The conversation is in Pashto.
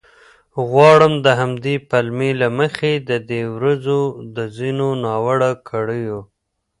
غواړم د همدې پلمې له مخې د دې ورځو د ځینو ناوړه کړیو